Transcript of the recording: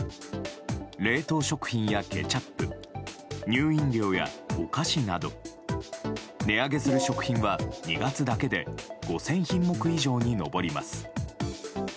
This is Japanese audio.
冷凍食品やケチャップ乳飲料やお菓子など値上げする食品は２月だけで５０００品目以上に上ります。